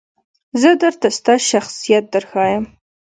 زه درته ستا شخصیت درښایم .